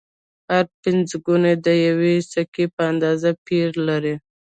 هر پنځه ګون د یوې سکې په اندازه پیر لري